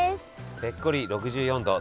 ぺっこり６４度。